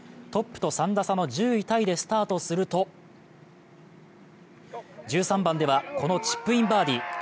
トップと３打差の１０位タイでスタートすると、１３番ではこのチップインバーディー。